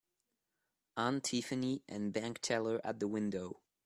Aunt Tiffany and bank teller at the window.